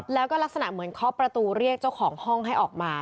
แล้วก็ลักษณะเหมือนเคาะประตูเรียกเจ้าของห้องให้ออกมา